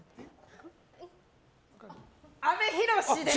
阿部寛です！